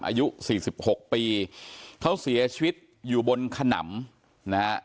อายุสี่สิบหกปีเขาเสียชีวิตอยู่บนขนำนะฮะ